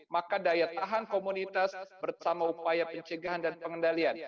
maka daya tahan komunitas bersama upaya pencegahan dan pengendalian